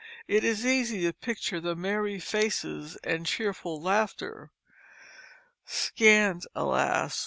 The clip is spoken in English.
It is easy to picture the merry faces and cheerful laughter. Scant, alas!